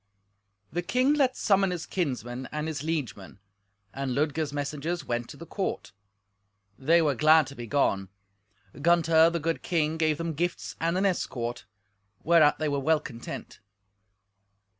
The king let summon his kinsmen and his liegemen, and Ludger's messengers went to the court. They were glad to be gone. Gunther, the good king, gave them gifts and an escort, whereat they were well content.